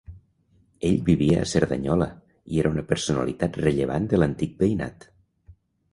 Ell vivia a Cerdanyola i era una personalitat rellevant de l'antic veïnat.